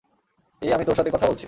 এই আমি তোর সাথে কথা বলছি।